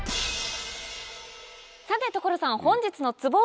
さて所さん本日のツボは？